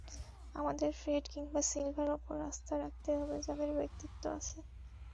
আমাদের ফ্রেড কিংবা সিলভার ওপর আস্থা রাখতে হবে যাদের ব্যক্তিত্ব আছে।